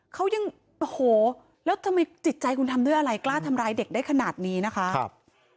เขายังโอ้โหแล้วทำไมจิตใจคุณทำด้วยอะไรกล้าทำร้ายเด็กได้ขนาดนี้นะคะ